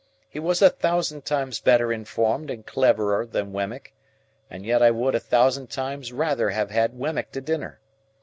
He was a thousand times better informed and cleverer than Wemmick, and yet I would a thousand times rather have had Wemmick to dinner.